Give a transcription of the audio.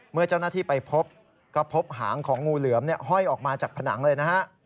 เมื่อเจ้าหน้าที่ไปพบก็พบหางของงูเหลือมห้อยออกมาจากผนังเลยนะฮะ